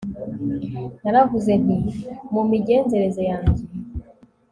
naravuze nti mu migenzereze yanjye